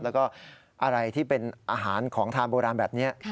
แล้วก็อะไรที่เป็นอาหารของทานโบราณแบบนี้